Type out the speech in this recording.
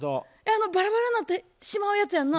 あのバラバラになってしまうやつやんな？